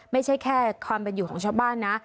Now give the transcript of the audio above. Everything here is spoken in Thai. ไม่ใช่แค่ความเป็นอยู่ของชาวบ้านนะ